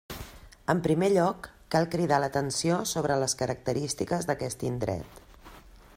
En primer lloc, cal cridar l'atenció sobre les característiques d'aquest indret.